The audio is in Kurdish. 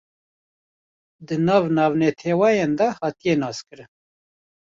di nav navnetewayan de hatiye naskirin